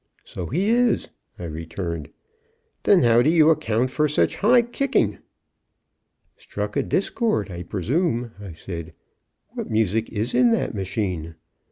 "So he is," I returned. "Then how do you account for such high kicking?" "Struck a discord, I presume," I said. "What music is in that machine?"